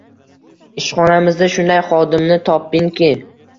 – Ishxonamizda shunday xodimni topinki